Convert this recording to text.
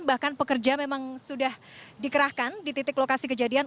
bahkan pekerja memang sudah dikerahkan di titik lokasi kejadian